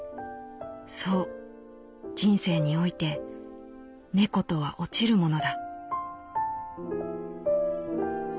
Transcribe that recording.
そう人生において猫とは落ちるものだ」。